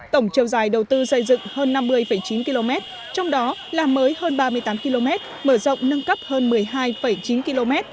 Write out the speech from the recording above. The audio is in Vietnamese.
tổng chiều dài đầu tư xây dựng hơn năm mươi chín km trong đó làm mới hơn ba mươi tám km mở rộng nâng cấp hơn một mươi hai chín km